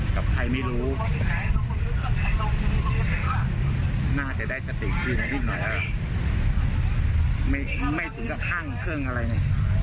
กับใครไม่รู้น่าจะได้จะติดที่ไหนนิดหน่อยไม่ไม่ถึงกับห้างเครื่องอะไรน่ะ